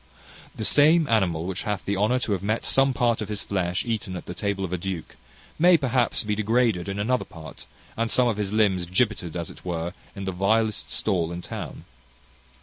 The same animal which hath the honour to have some part of his flesh eaten at the table of a duke, may perhaps be degraded in another part, and some of his limbs gibbeted, as it were, in the vilest stall in town.